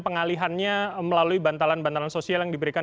pengalihannya melalui bantalan bantalan sosial yang diberikan